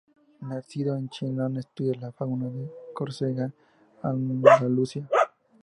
Nacido en Chinon, estudió la fauna de Córcega y Andalucía.